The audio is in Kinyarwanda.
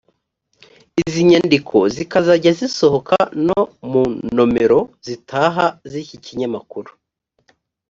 izi nyandiko zikazajya zisohoka no mu nomero zitaha z’iki kinyamakuru